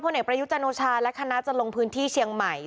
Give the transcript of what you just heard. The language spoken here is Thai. เอกประยุจันโอชาและคณะจะลงพื้นที่เชียงใหม่